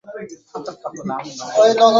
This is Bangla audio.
বলো যে সম্ভাবনা পাচ্ছিল না।